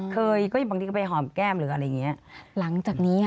เคยก็บางทีไปหอมแก้มหรืออะไรอย่างนี้